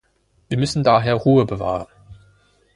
Wir müssen daher Ruhe bewahren.